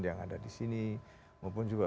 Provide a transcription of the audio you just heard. yang ada di sini maupun juga